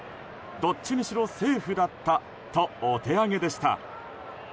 どっちにしろセーフだったとお手上げでした。